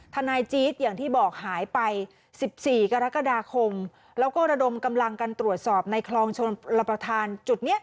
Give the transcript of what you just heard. ทนายจี๊ดอย่างที่บอกหายไป๑๔กรกฎาคมแล้วก็ระดมกำลังกันตรวจสอบในคลองชนรับประทานจุดนี้